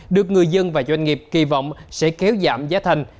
được người dân và doanh nghiệp kỳ vọng sẽ kéo giảm giá thành